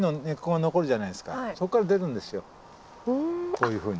こういうふうに。